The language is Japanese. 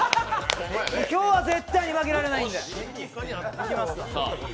今日は絶対に負けられないんで。